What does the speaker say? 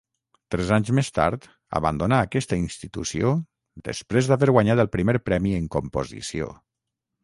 Tres anys més tard abandonà aquesta institució després d'haver guanyat el primer premi en composició.